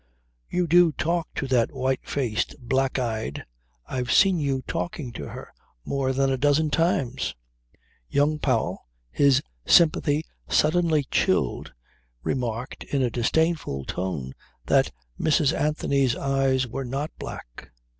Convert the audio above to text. "You do talk to that white faced, black eyed ... I've seen you talking to her more than a dozen times." Young Powell, his sympathy suddenly chilled, remarked in a disdainful tone that Mrs. Anthony's eyes were not black.